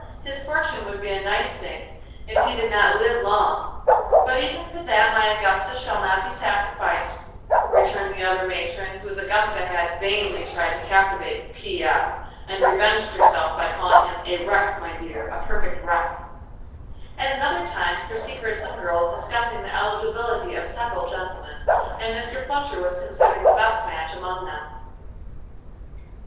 His fortune would be a nice thing if he did not live long; but even for that my Augusta shall not be sacrificed," returned the other matron whose Augusta had vainly tried to captivate "P. F.," and revenged herself by calling him "a wreck, my dear, a perfect wreck." At another time Christie heard some girls discussing the eligibility of several gentlemen, and Mr. Fletcher was considered the best match among them.